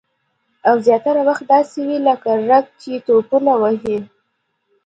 او زیاتره وخت داسې وي لکه رګ چې ټوپونه وهي